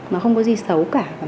mà không có gì xấu cả